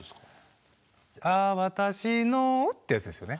「あー私の」ってやつですよね。